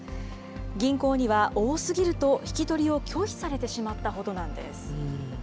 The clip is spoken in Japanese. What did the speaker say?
銀行には多過ぎると引き取りを拒否されてしまったほどなんです。